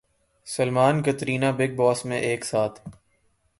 Salman Katrina Bigg Boss میں ایک ساتھ